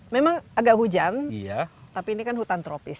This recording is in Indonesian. memang agak hujan tapi ini kan hutan tropis